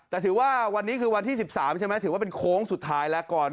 แต่ถือว่าวันนี้คือวันที่๑๓ใช่ไหมถือว่าเป็นโค้งสุดท้ายแล้วก่อน